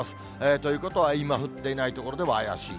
ということは、今降っていない所でも怪しい。